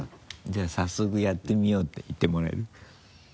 じゃあさっそくやってみようて言ってもらえる？